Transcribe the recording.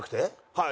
はい。